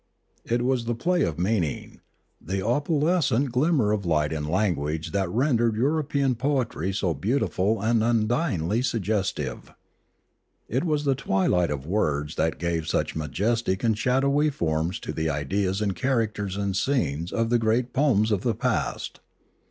It was the play of meaning, the opalescent glimmer of light in lan guage that rendered European poetry so beautiful and undyingly suggestive. It was the twilight of words that gave such majestic and shadowy forms to the ideas and characters and scenes of the great poems of the past.